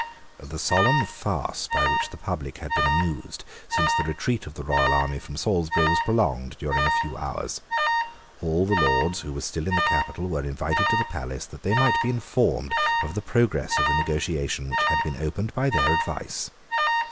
The solemn farce by which the public had been amused since the retreat of the royal army from Salisbury was prolonged during a few hours. All the Lords who were still in the capital were invited to the palace that they might be informed of the progress of the negotiation which had been opened by their advice.